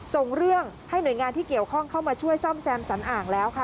ส่งเรื่องให้หน่วยงานที่เกี่ยวข้องเข้ามาช่วยซ่อมแซมสันอ่างแล้วค่ะ